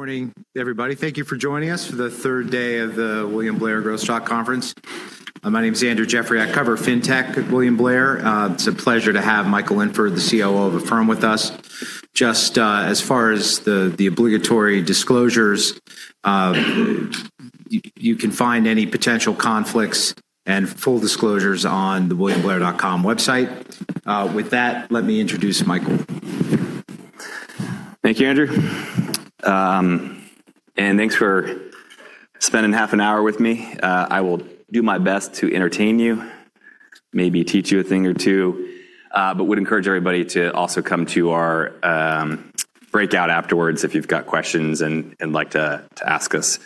Morning, everybody. Thank you for joining us for the third day of the William Blair Growth Stock Conference. My name's Andrew Jeffrey. I cover Fintech at William Blair. It's a pleasure to have Michael Linford, the COO of Affirm with us. Just as far as the obligatory disclosures, you can find any potential conflicts and full disclosures on the williamblair.com website. With that, let me introduce Michael. Thank you, Andrew. Thanks for spending half an hour with me. I will do my best to entertain you, maybe teach you a thing or two, but would encourage everybody to also come to our breakout afterwards if you've got questions and like to ask us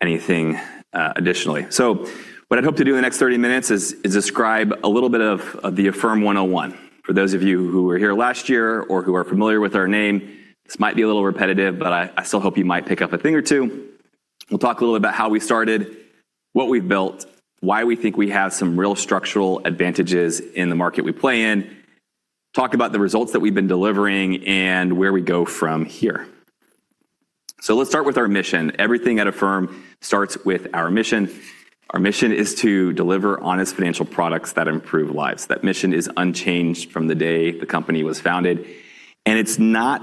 anything additionally. What I'd hope to do in the next 30 min is describe a little of the Affirm 101. For those of you who were here last year or who are familiar with our name, this might be a little repetitive, but I still hope you might pick up a thing or two. We'll talk a little about how we started, what we've built, why we think we have some real structural advantages in the market we play in, talk about the results that we've been delivering, and where we go from here. Let's start with our mission. Everything at Affirm starts with our mission. Our mission is to deliver honest financial products that improve lives. That mission is unchanged from the day the company was founded, and it's not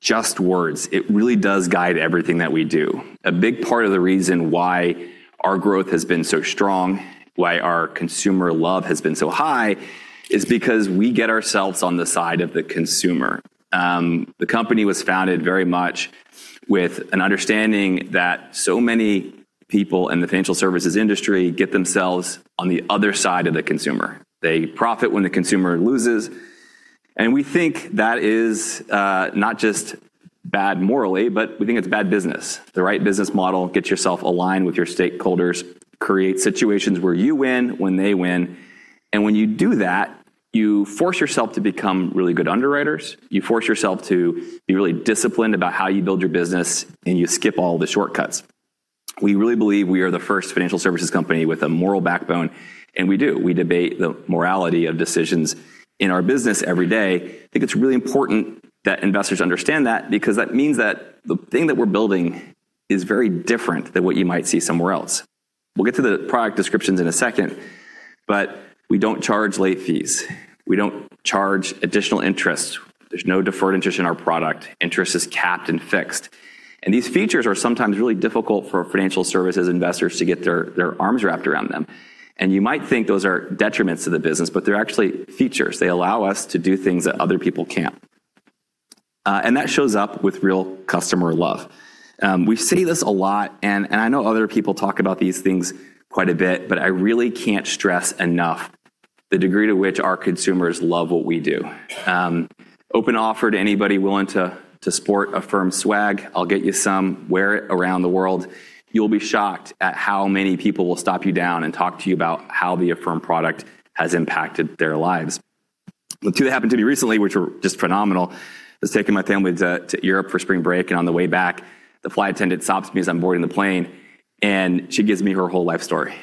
just words. It really does guide everything that we do. A big part of the reason why our growth has been so strong, why our consumer love has been so high, is because we get ourselves on the side of the consumer. The company was founded very much with an understanding that so many people in the financial services industry get themselves on the other side of the consumer. They profit when the consumer loses, and we think that is not just bad morally, but we think it's bad business. The right business model gets yourself aligned with your stakeholders, creates situations where you win when they win. When you do that, you force yourself to become really good underwriters. You force yourself to be really disciplined about how you build your business, and you skip all the shortcuts. We really believe we are the first financial services company with a moral backbone, and we do. We debate the morality of decisions in our business every day. I think it's really important that investors understand that because that means that the thing that we're building is very different than what you might see somewhere else. We'll get to the product descriptions in a second, but we don't charge late fees. We don't charge additional interest. There's no deferred interest in our product. Interest is capped and fixed. These features are sometimes really difficult for financial services investors to get their arms wrapped around them. You might think those are detriments to the business, but they're actually features. They allow us to do things that other people can't. That shows up with real customer love. We say this a lot, and I know other people talk about these things quite a bit, but I really can't stress enough the degree to which our consumers love what we do. Open offer to anybody willing to sport Affirm swag. I'll get you some. Wear it around the world. You'll be shocked at how many people will stop you down and talk to you about how the Affirm product has impacted their lives. The two that happened to me recently, which were just phenomenal, was taking my family to Europe for spring break, and on the way back, the flight attendant stops me as I'm boarding the plane and she gives me her whole life story.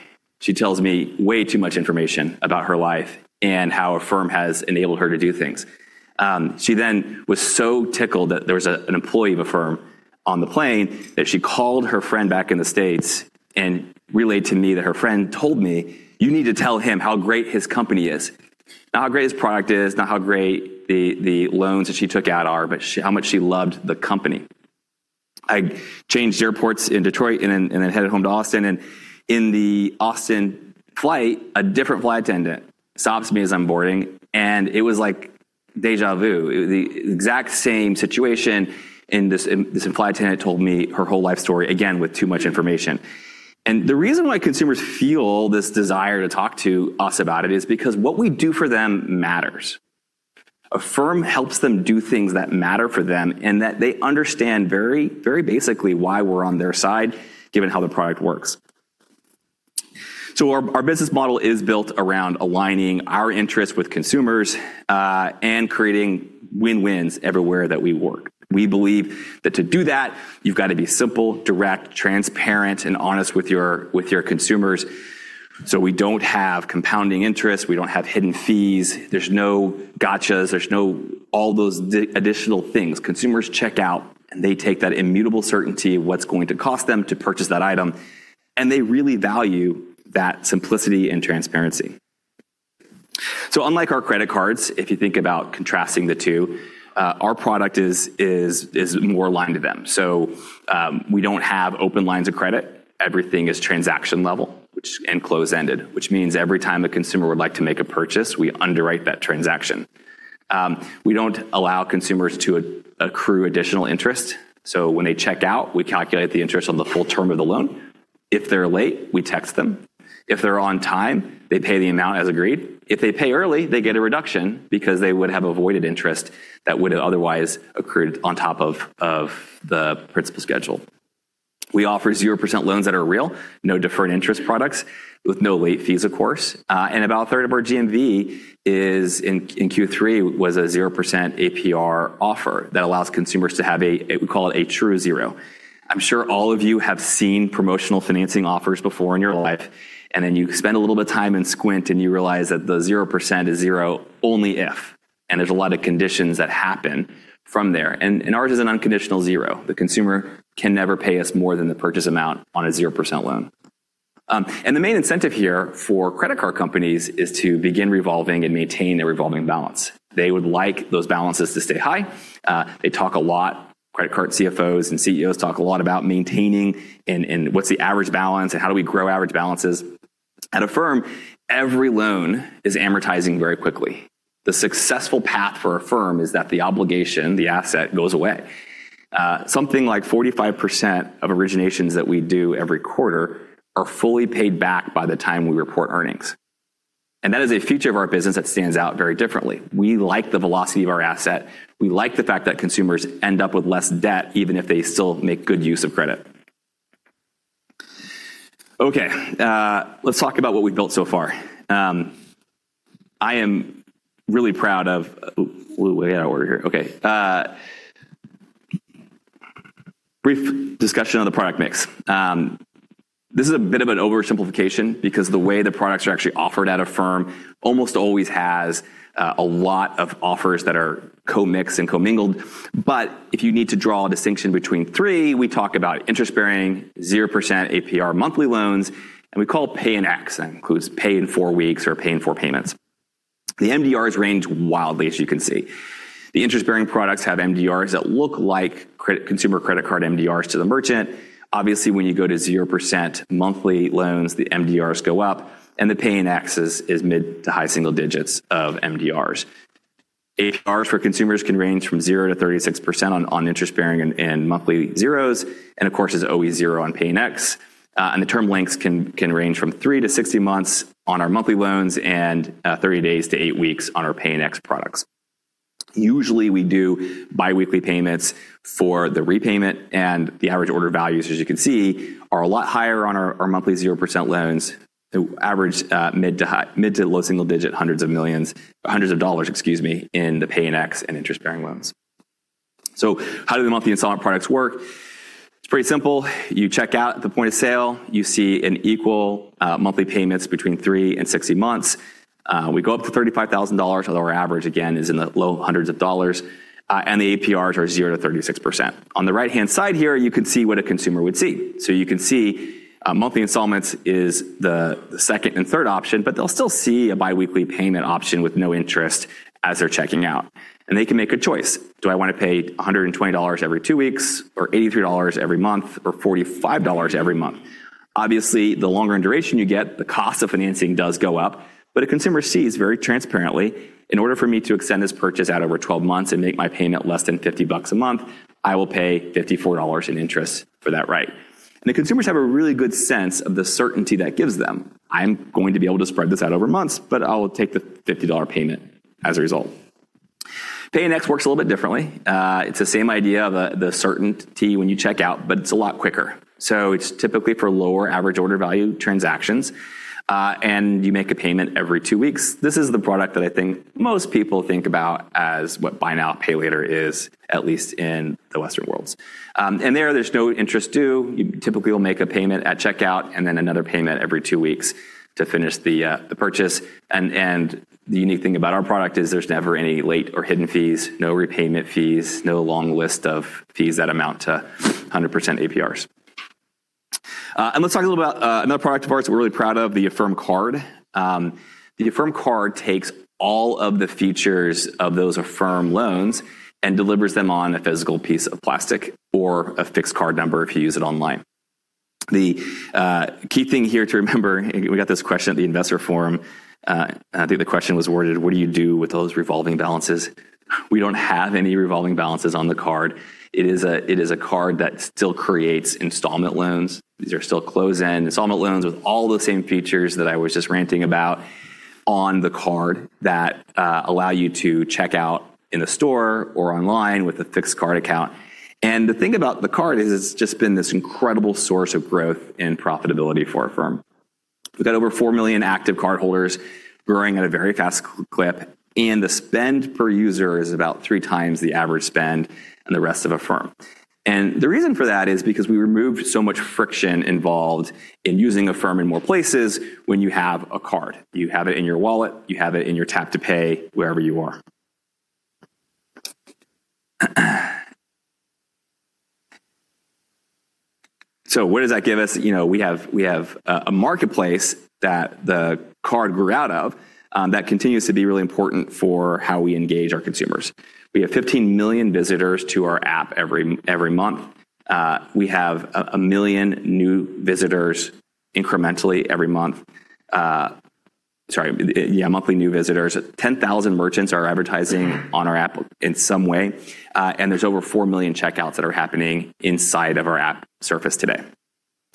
She tells me way too much information about her life and how Affirm has enabled her to do things. She was so tickled that there was an employee of Affirm on the plane that she called her friend back in the States and relayed to me that her friend told me, "You need to tell him how great his company is," not how great his product is, not how great the loans that she took out are, but how much she loved the company. I changed airports in Detroit and then headed home to Austin, and in the Austin flight, a different flight attendant stops me as I'm boarding, and it was like deja vu. The exact same situation, and this flight attendant told me her whole life story, again with too much information. The reason why consumers feel this desire to talk to us about it is because what we do for them matters. Affirm helps them do things that matter for them, and that they understand very basically why we're on their side, given how the product works. Our business model is built around aligning our interests with consumers, and creating win-wins everywhere that we work. We believe that to do that, you've got to be simple, direct, transparent, and honest with your consumers. We don't have compounding interest. We don't have hidden fees. There's no gotchas. There's no all those additional things. Consumers check out and they take that immutable certainty of what's going to cost them to purchase that item, and they really value that simplicity and transparency. Unlike our credit cards, if you think about contrasting the two, our product is more aligned to them. We don't have open lines of credit. Everything is transaction level and close-ended, which means every time a consumer would like to make a purchase, we underwrite that transaction. We don't allow consumers to accrue additional interest, when they check out, we calculate the interest on the full term of the loan. If they're late, we text them. If they're on time, they pay the amount as agreed. If they pay early, they get a reduction because they would have avoided interest that would have otherwise accrued on top of the principal schedule. We offer 0% loans that are real, no deferred interest products, with no late fees, of course. About a third of our GMV in Q3 was a 0% APR offer that allows consumers to have a, we call it a true zero. I'm sure all of you have seen promotional financing offers before in your life, and then you spend a little bit of time and squint, and you realize that the 0% is zero only if. There's a lot of conditions that happen from there. Ours is an unconditional zero. The consumer can never pay us more than the purchase amount on a 0% loan. The main incentive here for credit card companies is to begin revolving and maintain their revolving balance. They would like those balances to stay high. Credit card CFOs and CEOs talk a lot about maintaining and what's the average balance, and how do we grow average balances. At Affirm, every loan is amortizing very quickly. The successful path for Affirm is that the obligation, the asset, goes away. Something like 45% of originations that we do every quarter are fully paid back by the time we report earnings. That is a feature of our business that stands out very differently. We like the velocity of our asset. We like the fact that consumers end up with less debt, even if they still make good use of credit. Okay. We got out of order here. Okay. Brief discussion of the product mix. This is a bit of an oversimplification because the way the products are actually offered at Affirm almost always has a lot of offers that are co-mixed and co-mingled. If you need to draw a distinction between three, we talk about interest-bearing, 0% APR monthly loans, and we call Pay in X, and that includes pay in four weeks or pay in four payments. The MDRs range wildly, as you can see. The interest-bearing products have MDRs that look like consumer credit card MDRs to the merchant. When you go to 0% monthly loans, the MDRs go up, and the Pay in X is mid to high single digits of MDRs. APRs for consumers can range from 0% to 36% on interest-bearing and monthly zeros, and of course, it's always 0% on Pay in X. The term lengths can range from three to 60 months on our monthly loans and 30 days to eight weeks on our Pay in X products. Usually, we do biweekly payments for the repayment. The average order values, as you can see, are a lot higher on our monthly 0% loans. They average mid to low single digit hundreds of dollar, excuse me, in the Pay in X and interest-bearing loans. How do the monthly installment products work? It's pretty simple. You check out at the point of sale. You see in equal monthly payments between three and 60 months. We go up to $35,000, although our average, again, is in the low hundreds of dollar. The APRs are 0%-36%. On the right-hand side here, you can see what a consumer would see. You can see monthly installments is the second and third option, but they'll still see a biweekly payment option with no interest as they're checking out. They can make a choice. Do I want to pay $120 every two weeks or $83 every month or $45 every month? Obviously, the longer in duration you get, the cost of financing does go up. A consumer sees very transparently, in order for me to extend this purchase out over 12 months and make my payment less than $50 a month, I will pay $54 in interest for that right. The consumers have a really good sense of the certainty that gives them. I'm going to be able to spread this out over months, but I'll take the $50 payment as a result. Pay in X works a little bit differently. It's the same idea of the certainty when you check out, but it's a lot quicker. It's typically for lower average order value transactions. You make a payment every two weeks. This is the product that I think most people think about as what buy now, pay later is, at least in the Western worlds. There's no interest due. You typically will make a payment at checkout and then another payment every two weeks to finish the purchase. The unique thing about our product is there's never any late or hidden fees, no repayment fees, no long list of fees that amount to 100% APRs. Let's talk a little about another product of ours that we're really proud of, the Affirm Card. The Affirm Card takes all of the features of those Affirm loans and delivers them on a physical piece of plastic or a fixed card number if you use it online. The key thing here to remember, we got this question at the investor forum. I think the question was worded, "What do you do with those revolving balances?" We don't have any revolving balances on the card. It is a card that still creates installment loans. These are still close-end installment loans with all the same features that I was just ranting about on the card that allow you to check out in the store or online with a fixed card account. The thing about the card is it's just been this incredible source of growth and profitability for Affirm. We've got over 4 million active cardholders growing at a very fast clip, and the spend per user is about 3x the average spend in the rest of Affirm. The reason for that is because we removed so much friction involved in using Affirm in more places when you have a card. You have it in your wallet, you have it in your tap to pay wherever you are. What does that give us? We have a marketplace that the Affirm Card grew out of that continues to be really important for how we engage our consumers. We have 15 million visitors to our app every month. We have 1 million new visitors incrementally every month. Sorry. Yeah, monthly new visitors. 10,000 merchants are advertising on our app in some way. There's over 4 million checkouts that are happening inside of our app surface today.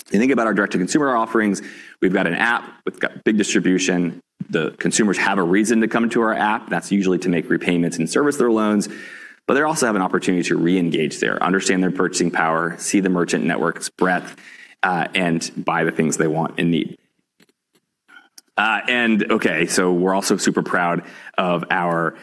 If you think about our direct-to-consumer offerings, we've got an app. We've got big distribution. The consumers have a reason to come into our app. That's usually to make repayments and service their loans, but they also have an opportunity to reengage there, understand their purchasing power, see the merchant network's breadth, and buy the things they want and need. We're also super proud of our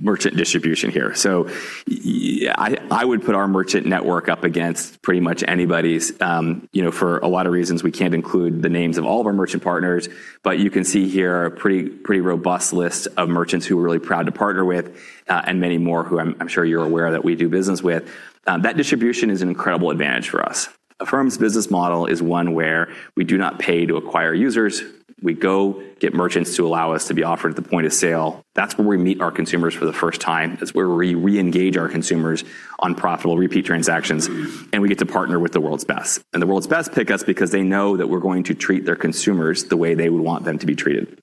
merchant distribution here. I would put our merchant network up against pretty much anybody's for a lot of reasons. We can't include the names of all of our merchant partners, but you can see here a pretty robust list of merchants who we're really proud to partner with, and many more who I'm sure you're aware that we do business with. That distribution is an incredible advantage for us. Affirm's business model is one where we do not pay to acquire users. We go get merchants to allow us to be offered at the point of sale. That's where we meet our consumers for the first time. That's where we re-engage our consumers on profitable repeat transactions, and we get to partner with the world's best. The world's best pick us because they know that we're going to treat their consumers the way they would want them to be treated.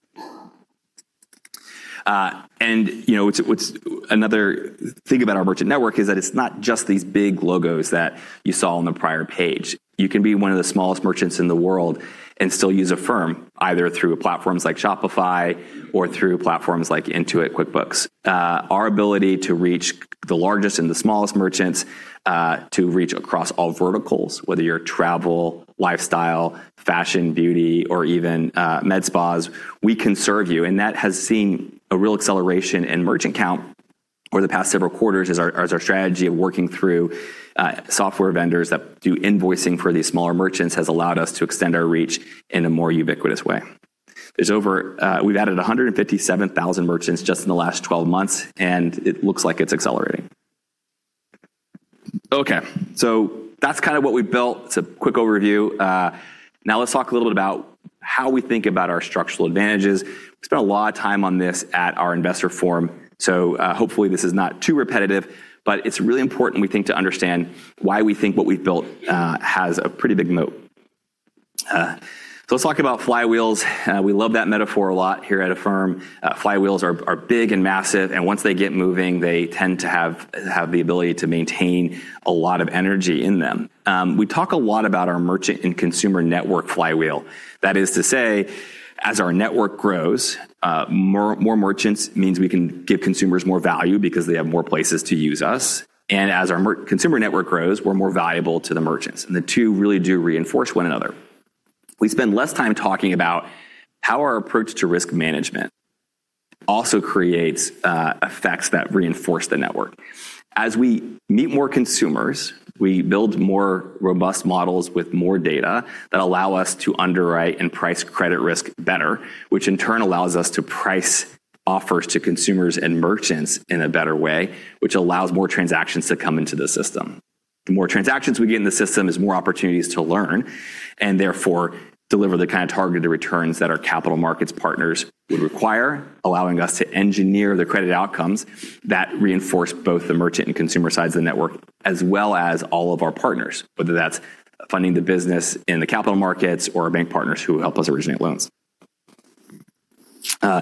Another thing about our merchant network is that it's not just these big logos that you saw on the prior page. You can be one of the smallest merchants in the world and still use Affirm, either through platforms like Shopify or through platforms like Intuit QuickBooks. Our ability to reach the largest and the smallest merchants, to reach across all verticals, whether you're travel, lifestyle, fashion, beauty, or even med spas, we can serve you. That has seen a real acceleration in merchant count over the past several quarters as our strategy of working through software vendors that do invoicing for these smaller merchants has allowed us to extend our reach in a more ubiquitous way. We've added 157,000 merchants just in the last 12 months, and it looks like it's accelerating. That's what we've built. It's a quick overview. Let's talk a little bit about how we think about our structural advantages. We spent a lot of time on this at our investor forum, hopefully this is not too repetitive, it's really important, we think, to understand why we think what we've built has a pretty big moat. Let's talk about flywheels. We love that metaphor a lot here at Affirm. Flywheels are big and massive, and once they get moving, they tend to have the ability to maintain a lot of energy in them. We talk a lot about our merchant and consumer network flywheel. That is to say, as our network grows, more merchants means we can give consumers more value because they have more places to use us. As our consumer network grows, we're more valuable to the merchants, and the two really do reinforce one another. We spend less time talking about how our approach to risk management also creates effects that reinforce the network. As we meet more consumers, we build more robust models with more data that allow us to underwrite and price credit risk better, which in turn allows us to price offers to consumers and merchants in a better way, which allows more transactions to come into the system. The more transactions we get in the system is more opportunities to learn, and therefore deliver the kind of targeted returns that our capital markets partners would require, allowing us to engineer the credit outcomes that reinforce both the merchant and consumer sides of the network, as well as all of our partners, whether that's funding the business in the capital markets or our bank partners who help us originate loans. Those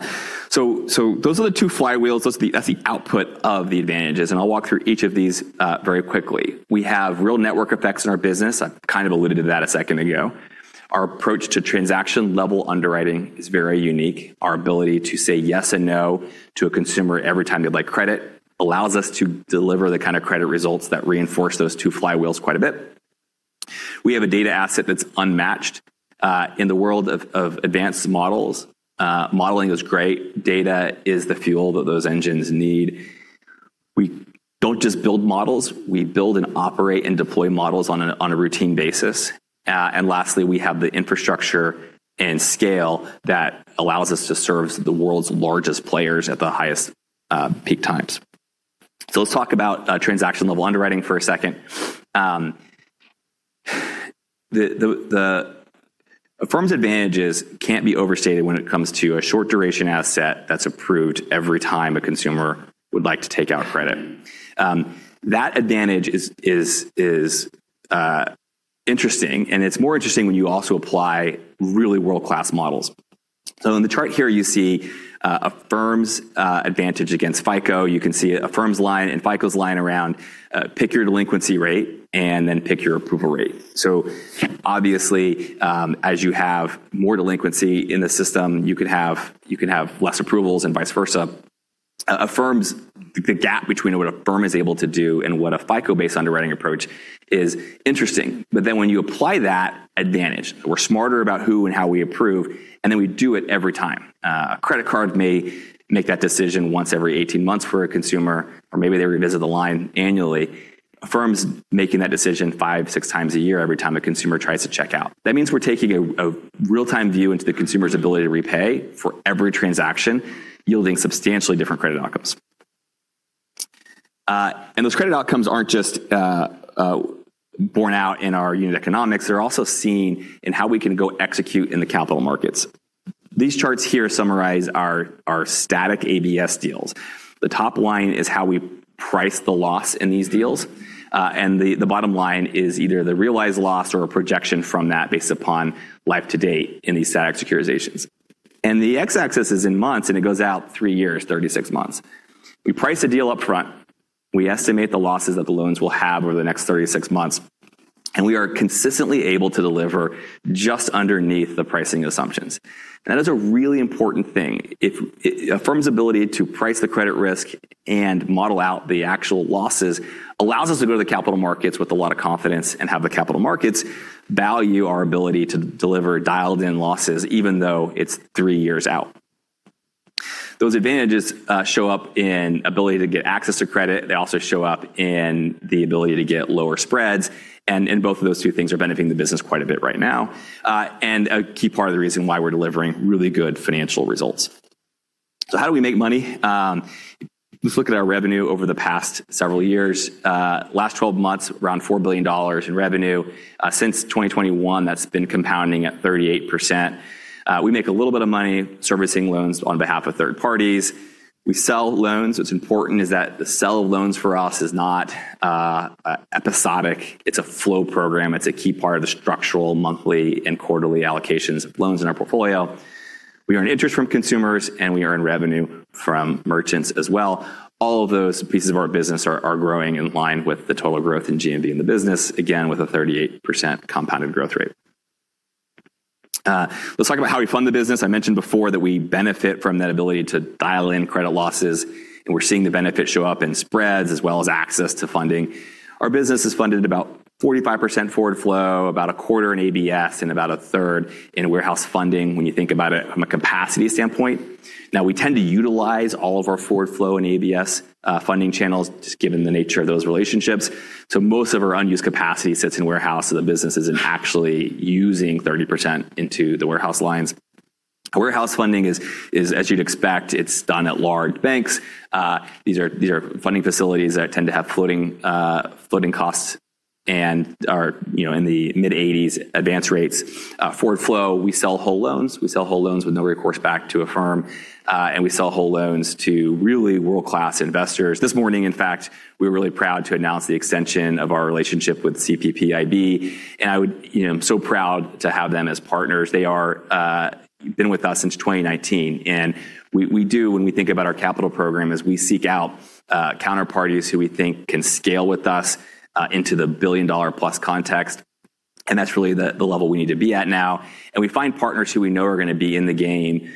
are the two flywheels. That's the output of the advantages, and I'll walk through each of these very quickly. We have real network effects in our business. I alluded to that a second ago. Our approach to transaction-level underwriting is very unique. Our ability to say yes and no to a consumer every time they'd like credit allows us to deliver the kind of credit results that reinforce those two flywheels quite a bit. We have a data asset that's unmatched, in the world of advanced models. Modeling is great. Data is the fuel that those engines need. We don't just build models. We build and operate and deploy models on a routine basis. Lastly, we have the infrastructure and scale that allows us to service the world's largest players at the highest peak times. Let's talk about transaction-level underwriting for a second. Affirm's advantages can't be overstated when it comes to a short-duration asset that's approved every time a consumer would like to take out credit. That advantage is interesting, and it's more interesting when you also apply really world-class models. In the chart here, you see Affirm's advantage against FICO. You can see Affirm's line and FICO's line around pick your delinquency rate and then pick your approval rate. Obviously, as you have more delinquency in the system, you can have less approvals and vice versa. The gap between what Affirm is able to do and what a FICO-based underwriting approach is interesting. When you apply that advantage, we're smarter about who and how we approve, and then we do it every time. A credit card may make that decision once every 18 months for a consumer, or maybe they revisit the line annually. Affirm's making that decision five, six times a year every time a consumer tries to check out. That means we're taking a real-time view into the consumer's ability to repay for every transaction, yielding substantially different credit outcomes. Those credit outcomes aren't just borne out in our unit economics. They're also seen in how we can go execute in the capital markets. These charts here summarize our static ABS deals. The top line is how we price the loss in these deals. The bottom line is either the realized loss or a projection from that based upon life to date in these static securitizations. The x-axis is in months, and it goes out three years, 36 months. We price a deal up front. We estimate the losses that the loans will have over the next 36 months, and we are consistently able to deliver just underneath the pricing assumptions. That is a really important thing. Affirm's ability to price the credit risk and model out the actual losses allows us to go to the capital markets with a lot of confidence and have the capital markets value our ability to deliver dialed-in losses, even though it's three years out. Those advantages show up in ability to get access to credit. They also show up in the ability to get lower spreads. Both of those two things are benefiting the business quite a bit right now, and a key part of the reason why we're delivering really good financial results. How do we make money? Let's look at our revenue over the past several years. Last 12 months, around $4 billion in revenue. Since 2021, that's been compounding at 38%. We make a little bit of money servicing loans on behalf of third parties. We sell loans. What's important is that the sale of loans for us is not episodic. It's a flow program. It's a key part of the structural monthly and quarterly allocations of loans in our portfolio. We earn interest from consumers, and we earn revenue from merchants as well. All of those pieces of our business are growing in line with the total growth in GMV in the business, again, with a 38% compounded growth rate. Let's talk about how we fund the business. I mentioned before that we benefit from that ability to dial in credit losses, and we're seeing the benefit show up in spreads as well as access to funding. Our business is funded about 45% forward flow, about a quarter in ABS, and about a third in warehouse funding, when you think about it from a capacity standpoint. We tend to utilize all of our forward flow and ABS funding channels, just given the nature of those relationships. Most of our unused capacity sits in warehouse, so the business isn't actually using 30% into the warehouse lines. Warehouse funding is, as you'd expect, it's done at large banks. These are funding facilities that tend to have floating costs and are in the mid-80s advance rates. Forward flow, we sell whole loans. We sell whole loans with no recourse back to Affirm, and we sell whole loans to really world-class investors. This morning, in fact, we were really proud to announce the extension of our relationship with CPPIB, and I'm so proud to have them as partners. They are been with us since 2019. We do, when we think about our capital program, is we seek out counterparties who we think can scale with us into the $1 billion+ context. That's really the level we need to be at now. We find partners who we know are going to be in the game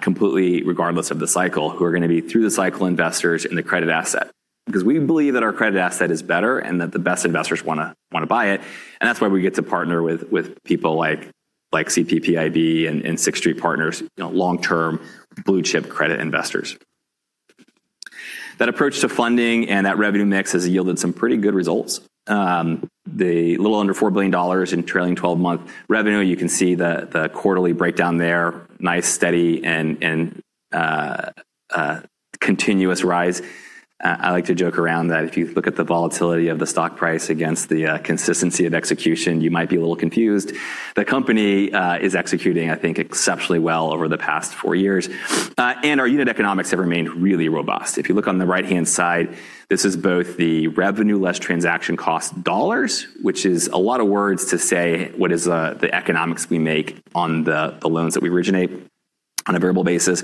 completely regardless of the cycle, who are going to be through-the-cycle investors in the credit asset. Because we believe that our credit asset is better and that the best investors want to buy it. That's why we get to partner with people like CPPIB and Sixth Street Partners, long-term, blue-chip credit investors. That approach to funding and that revenue mix has yielded some pretty good results. The little under $4 billion in trailing 12-month revenue, you can see the quarterly breakdown there. Nice, steady, and continuous rise. I like to joke around that if you look at the volatility of the stock price against the consistency of execution, you might be a little confused. The company is executing, I think, exceptionally well over the past four years. Our unit economics have remained really robust. If you look on the right-hand side, this is both the revenue less transaction cost dollars, which is a lot of words to say what is the economics we make on the loans that we originate on a variable basis,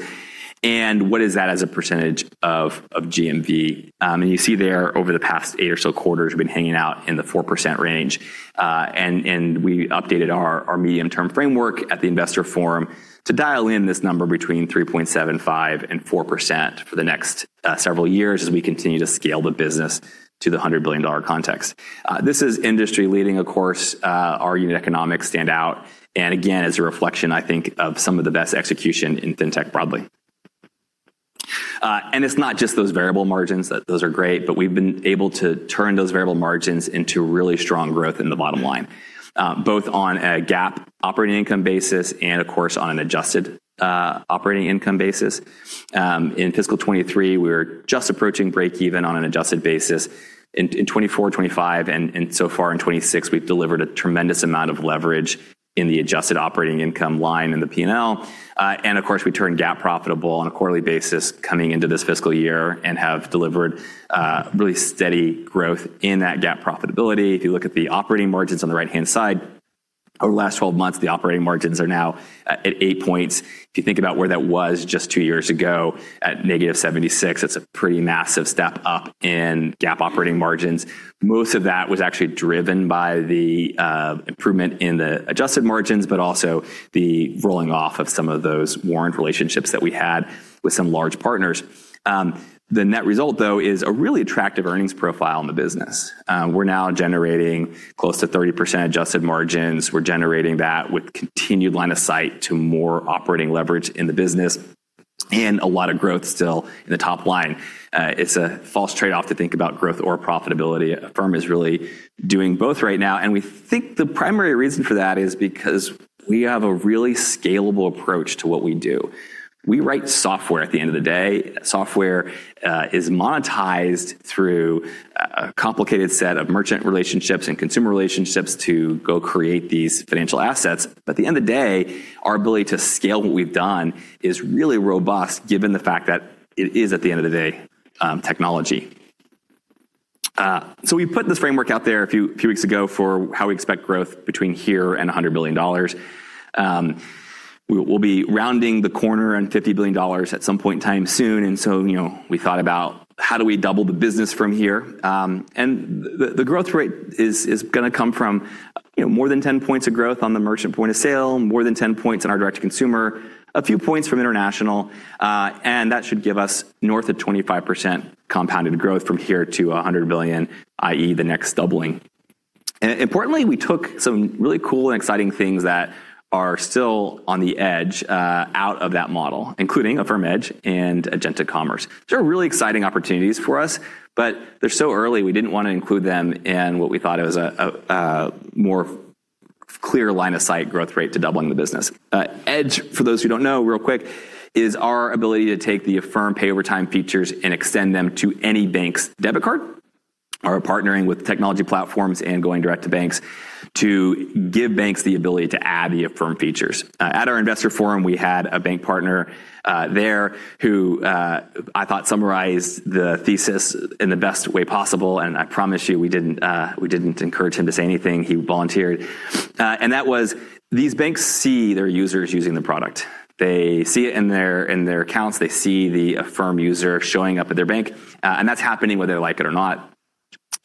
what is that as a percentage of GMV. You see there, over the past eight or so quarters, we've been hanging out in the 4% range. We updated our medium-term framework at the investor forum to dial in this number between 3.75% and 4% for the next several years as we continue to scale the business to the $100 billion context. This is industry leading, of course. Our unit economics stand out, and again, is a reflection, I think, of some of the best execution in fintech broadly. It's not just those variable margins that those are great, but we've been able to turn those variable margins into really strong growth in the bottom line, both on a GAAP operating income basis and of course, on an adjusted operating income basis. In fiscal 2023, we were just approaching breakeven on an adjusted basis. In 2024, 2025, and so far in 2026, we've delivered a tremendous amount of leverage in the adjusted operating income line in the P&L. Of course, we turned GAAP profitable on a quarterly basis coming into this fiscal year and have delivered really steady growth in that GAAP profitability. If you look at the operating margins on the right-hand side, over the last 12 months, the operating margins are now at eight points. If you think about where that was just two years ago, at -76, it's a pretty massive step up in GAAP operating margins. Most of that was actually driven by the improvement in the adjusted margins, but also the rolling off of some of those warrant relationships that we had with some large partners. The net result, though, is a really attractive earnings profile in the business. We're now generating close to 30% adjusted margins. We're generating that with continued line of sight to more operating leverage in the business and a lot of growth still in the top line. It's a false trade-off to think about growth or profitability. Affirm is really doing both right now, and we think the primary reason for that is because we have a really scalable approach to what we do. We write software at the end of the day. Software is monetized through a complicated set of merchant relationships and consumer relationships to go create these financial assets. At the end of the day, our ability to scale what we've done is really robust given the fact that it is, at the end of the day, technology. We put this framework out there a few weeks ago for how we expect growth between here and $100 billion. We'll be rounding the corner on $50 billion at some point in time soon. We thought about how do we double the business from here. The growth rate is going to come from more than 10 points of growth on the merchant point of sale, more than 10 points on our direct-to-consumer, a few points from international, that should give us north of 25% compounded growth from here to $100 billion, i.e., the next doubling. Importantly, we took some really cool and exciting things that are still on the edge out of that model, including Affirm Edge and agentic commerce. These are really exciting opportunities for us, but they're so early, we didn't want to include them in what we thought it was a more clear line of sight growth rate to doubling the business. Edge, for those who don't know, real quick, is our ability to take the Affirm pay over time features and extend them to any bank's debit card, are partnering with technology platforms and going direct to banks to give banks the ability to add the Affirm features. At our investor forum, we had a bank partner, there who, I thought summarized the thesis in the best way possible, I promise you, we didn't encourage him to say anything. He volunteered. That was, these banks see their users using the product. They see it in their accounts. They see the Affirm user showing up at their bank, and that's happening whether they like it or not.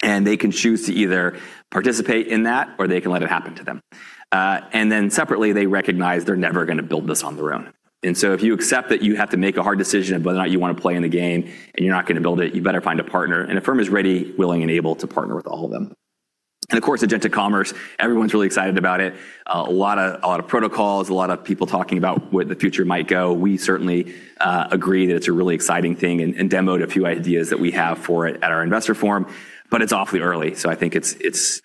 They can choose to either participate in that or they can let it happen to them. Separately, they recognize they're never going to build this on their own. If you accept that you have to make a hard decision of whether or not you want to play in the game and you're not going to build it, you better find a partner. Affirm is ready, willing, and able to partner with all of them. Of course, agentic commerce, everyone's really excited about it. A lot of protocols, a lot of people talking about where the future might go. We certainly agree that it's a really exciting thing and demoed a few ideas that we have for it at our investor forum, but it's awfully early. I think it's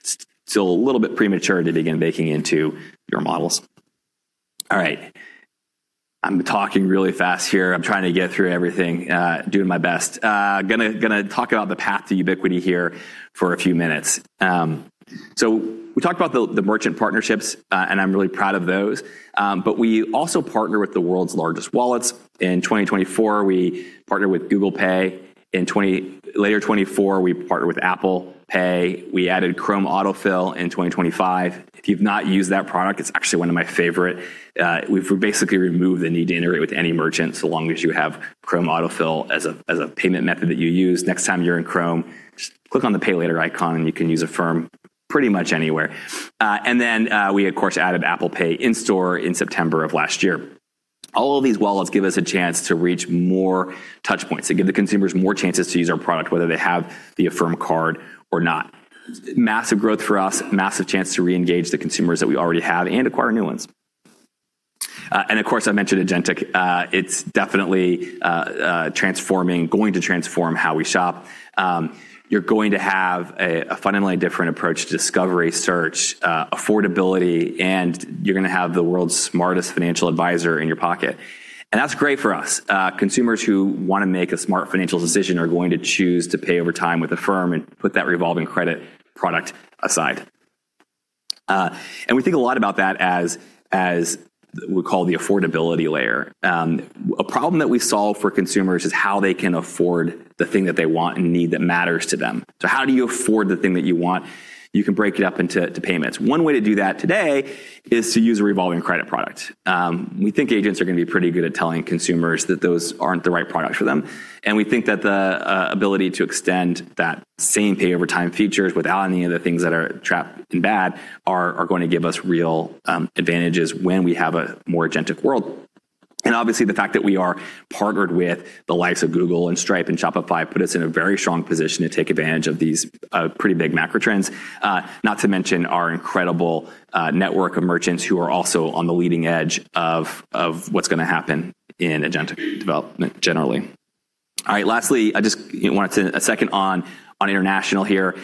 still a little bit premature to begin baking into your models. All right. I'm talking really fast here. I'm trying to get through everything, doing my best. I'm going to talk about the path to ubiquity here for a few minutes. We talked about the merchant partnerships, and I'm really proud of those. We also partner with the world's largest wallets. In 2024, we partnered with Google Pay. In later 2024, we partnered with Apple Pay. We added Chrome autofill in 2025. If you've not used that product, it's actually one of my favorite. We've basically removed the need to integrate with any merchant, so long as you have Chrome autofill as a payment method that you use. Next time you're in Chrome, just click on the Pay Later icon, and you can use Affirm pretty much anywhere. We of course, added Apple Pay in store in September of last year. All of these wallets give us a chance to reach more touch points, to give the consumers more chances to use our product, whether they have the Affirm Card or not. Massive growth for us, massive chance to reengage the consumers that we already have and acquire new ones. Of course, I mentioned agentic. It's definitely going to transform how we shop. You're going to have a fundamentally different approach to discovery, search, affordability, and you're going to have the world's smartest financial advisor in your pocket. That's great for us. Consumers who want to make a smart financial decision are going to choose to pay over time with Affirm and put that revolving credit product aside. We think a lot about that as we call the affordability layer. A problem that we solve for consumers is how they can afford the thing that they want and need that matters to them. How do you afford the thing that you want? You can break it up into payments. One way to do that today is to use a revolving credit product. We think agents are going to be pretty good at telling consumers that those aren't the right product for them. We think that the ability to extend that same pay over time features without any of the things that are trapped and bad are going to give us real advantages when we have a more agentic world. Obviously, the fact that we are partnered with the likes of Google and Stripe and Shopify put us in a very strong position to take advantage of these pretty big macro trends. Not to mention our incredible network of merchants who are also on the leading edge of what's going to happen in agentic development generally. All right. Lastly, I just wanted a second on international here.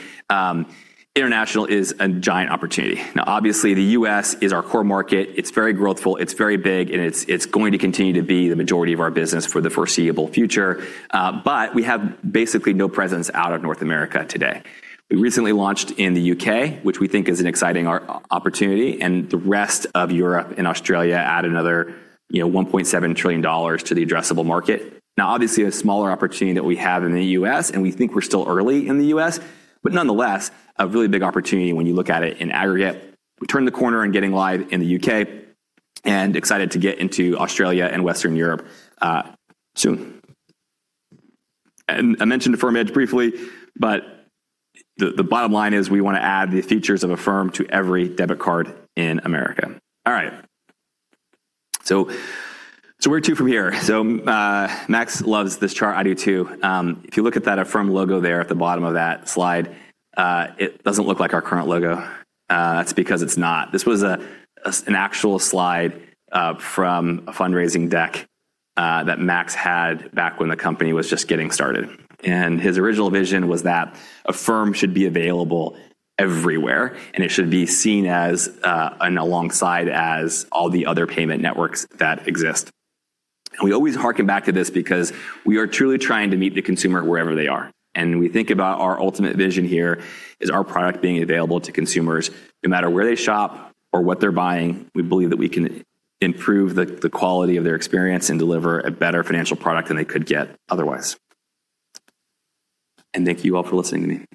International is a giant opportunity. Obviously, the U.S. is our core market. It's very growthful, it's very big, and it's going to continue to be the majority of our business for the foreseeable future. We have basically no presence out of North America today. We recently launched in the U.K., which we think is an exciting opportunity. The rest of Europe and Australia add another $1.7 trillion to the addressable market. Obviously, a smaller opportunity that we have in the U.S. We think we're still early in the U.S., nonetheless, a really big opportunity when you look at it in aggregate. We turned the corner on getting live in the U.K., excited to get into Australia and Western Europe, soon. I mentioned Affirm Edge briefly. The bottom line is we want to add the features of Affirm to every debit card in America. All right. Where to from here? Max loves this chart. I do too. If you look at that Affirm logo there at the bottom of that slide, it doesn't look like our current logo. That's because it's not. This was an actual slide from a fundraising deck that Max had back when the company was just getting started. His original vision was that Affirm should be available everywhere, and it should be seen as, and alongside as all the other payment networks that exist. We always harken back to this because we are truly trying to meet the consumer wherever they are. We think about our ultimate vision here is our product being available to consumers no matter where they shop or what they're buying. We believe that we can improve the quality of their experience and deliver a better financial product than they could get otherwise. Thank you all for listening to me.